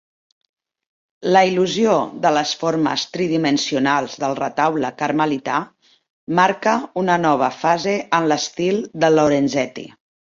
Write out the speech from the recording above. La il·lusió de les formes tridimensionals del retaule carmelità marca una nova fase en l'estil de Lorenzetti.